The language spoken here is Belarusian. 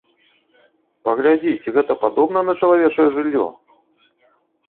Паглядзі, ці гэта падобна на чалавечае жыллё!